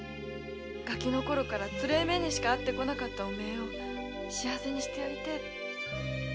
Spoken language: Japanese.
「ガキのころからつれえ目にしか遭ってこなかったお前を幸せにしてやりてえ」って。